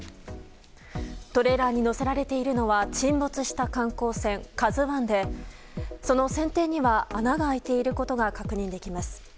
トレーラーに載せられているのは沈没した観光船「ＫＡＺＵ１」でその船底には穴が空いていることが確認できます。